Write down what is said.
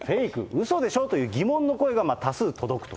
うそでしょという疑問の声が多数届くという。